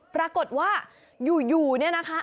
ปรากฏว่าอยู่เนี่ยนะคะ